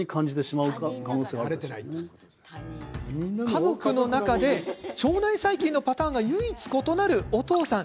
家族の中で腸内細菌のパターンが唯一、異なるお父さん。